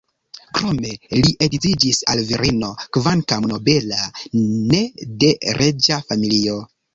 Krome li edziĝis al virino, kvankam nobela, ne de reĝa familio.